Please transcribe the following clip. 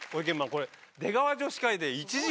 これ「出川女子会」で１時間？